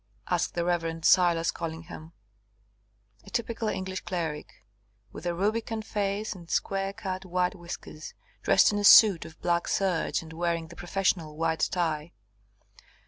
asked the Reverend Silas Collingham, a typical English cleric, with a rubicund face and square cut white whiskers, dressed in a suit of black serge, and wearing the professional white tie.